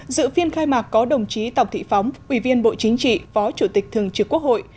dự phiên khai mạc có đồng chí tòng thị phóng ủy viên bộ chính trị phó chủ tịch thường trực quốc hội